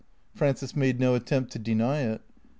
Frances made no attempt to deny it.